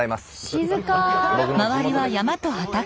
静か。